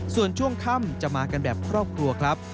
ส่วนช่วงค่ำจะมากันแบบครอบครัวครับ